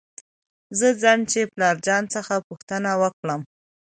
زه ځم چې پلار جان څخه پوښتنه وکړم .